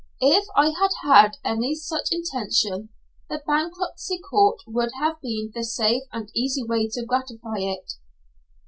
If I had had any such intention, the Bankruptcy Court would have been the safe and easy way to gratify it.